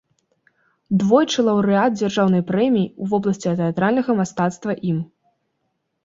Двойчы лаўрэат дзяржаўнай прэміі ў вобласці тэатральнага мастацтва ім.